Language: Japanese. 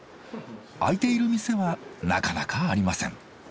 開いている店はなかなかありません。